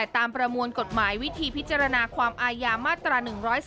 ประมวลกฎหมายวิธีพิจารณาความอายามาตรา๑๔